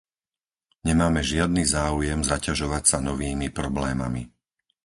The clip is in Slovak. Nemáme žiadny záujem zaťažovať sa novými problémami.